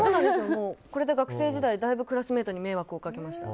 これで学生時代だいぶクラスメートに迷惑をかけました。